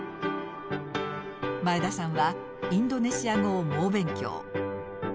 前田さんはインドネシア語を猛勉強。